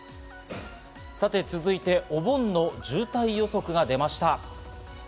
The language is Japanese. さて続いて、お盆の渋滞予測が出ました。